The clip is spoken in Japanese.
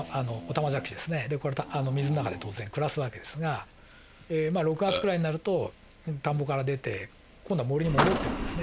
これ水の中で当然暮らす訳ですが６月くらいになると田んぼから出て今度は森に戻っていくんですね。